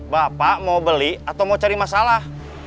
bapak mau beli atau mau cari masalah